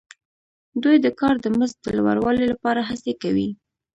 دوی د کار د مزد د لوړوالي لپاره هڅې کوي